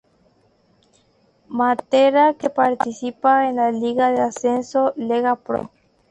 Matera que participa en la liga de ascenso Lega Pro.